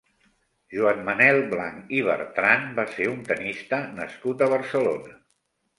Joan Manel Blanc i Bertrand va ser un tennista nascut a Barcelona.